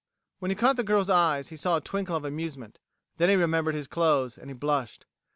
When he caught the girl's eyes, he saw a twinkle of amusement. Then he remembered his clothes, and he blushed.